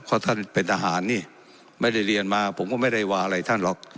เพราะท่านเป็นทหารนี่ไม่ได้เรียนมาผมก็ไม่ได้ว่าอะไรท่านหรอก